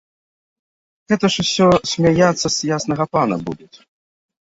Гэта ж усе смяяцца з яснага пана будуць.